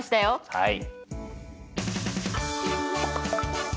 はい。